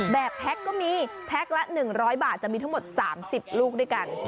แพ็คก็มีแพ็คละ๑๐๐บาทจะมีทั้งหมด๓๐ลูกด้วยกัน